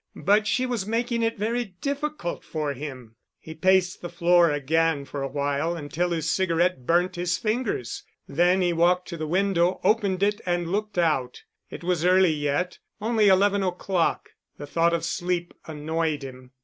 But she was making it very difficult for him. He paced the floor again for awhile, until his cigarette burnt his fingers, then he walked to the window, opened it and looked out. It was early yet—only eleven o'clock. The thought of sleep annoyed him.